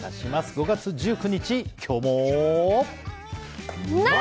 ５月１９日、今日も。